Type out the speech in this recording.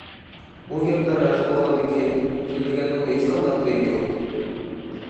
ئۇ گەپلەر راست بولغاندىكىن سۆزلىگەننىڭ ھېچقانداق زىيىنى يوق.